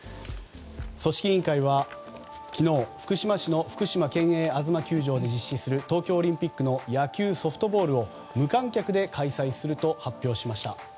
組織委員会は昨日、福島市の福島県営あづま球場で実施する東京オリンピックの野球・ソフトボールを無観客で開催すると発表しました。